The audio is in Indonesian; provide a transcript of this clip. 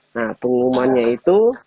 nah pengumumannya itu